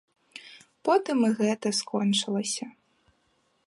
Потым і гэта скончылася.